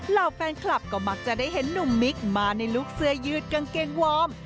เหล่าแฟนคลับก็มักจะได้เห็นหนุ่มมิกมาในลุคเสื้อยืดกางเกงวอร์ม